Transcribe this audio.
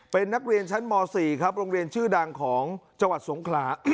เป็นนักเรียนชั้นม๔ครับโรงเรียนชื่อดังของจังหวัดสงขลา